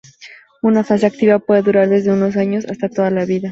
Una fase activa puede durar desde unos años a toda la vida.